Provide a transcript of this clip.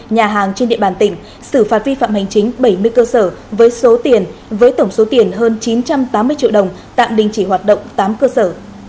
nhà hàng trên địa bàn tỉnh xử phạt vi phạm hành chính bảy mươi cơ sở với số tiền với tổng số tiền hơn chín trăm tám mươi triệu đồng tạm đình chỉ hoạt động tám cơ sở